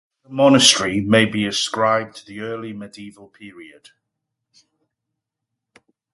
The date of the monastery may be ascribed to the early medieval period.